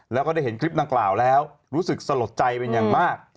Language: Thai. แล้วก็ได้เห็นคลิปดังกล่าวแล้วรู้สึกสลดใจเป็นอย่างมาก